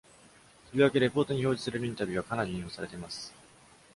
とりわけ、レポートに表示されるインタビューは、かなり引用されています。